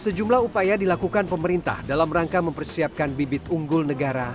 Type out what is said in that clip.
sejumlah upaya dilakukan pemerintah dalam rangka mempersiapkan bibitnya